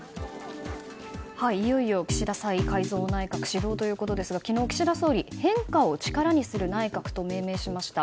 いよいよ岸田再改造内閣始動ということですが昨日、岸田総理変化を力にする内閣と命名しました。